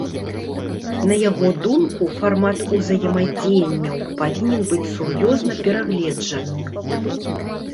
На яго думку, фармат узаемадзеянняў павінен быць сур'ёзна перагледжаны.